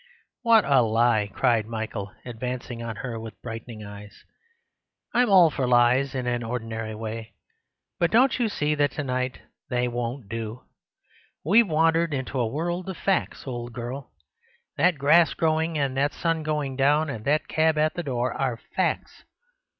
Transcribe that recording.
"What a lie!" cried Michael, advancing on her with brightening eyes. "I'm all for lies in an ordinary way; but don't you see that to night they won't do? We've wandered into a world of facts, old girl. That grass growing, and that sun going down, and that cab at the door, are facts.